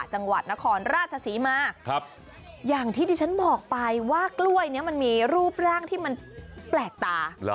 จังหวัดนครราชศรีมาอย่างที่ดิฉันบอกไปว่ากล้วยนี้มันมีรูปร่างที่มันแปลกตา